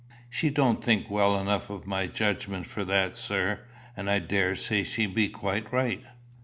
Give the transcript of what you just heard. "She don't think well enough of my judgment for that, sir; and I daresay she be quite right.